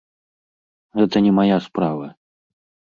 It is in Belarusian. Гэта не мая справа!